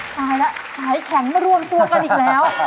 ใช่ล่ะใช้แข็งไม่รวมตัวกันอีกแล้ว